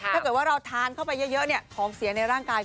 ถ้าเกิดว่าเราทานเข้าไปเยอะของเสียในร่างกาย